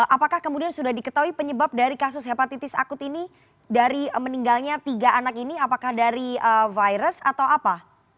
apakah kemudian sudah diketahui penyebab dari kasus hepatitis akut ini dari meninggalnya tiga anak ini apakah dari virus atau apa